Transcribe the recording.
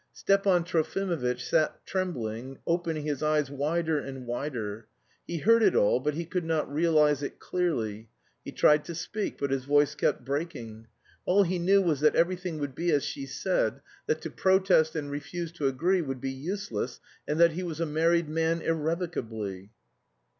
Stepan Trofimovitch sat trembling, opening his eyes wider and wider. He heard it all, but he could not realise it clearly. He tried to speak, but his voice kept breaking. All he knew was that everything would be as she said, that to protest and refuse to agree would be useless, and that he was a married man irrevocably.